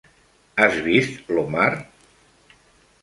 Has vist l'Omar?